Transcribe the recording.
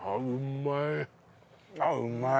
あっうまい！